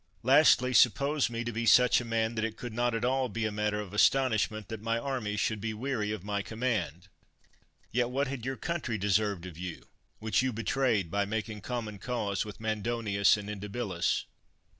Lastly, suppose me to be such a man that it could not at all be a matter of astonish ment that my army should be weary of my com mand; yet what had your country deserved of you, which you betrayed by making common cause with Mandonius and Indibilis?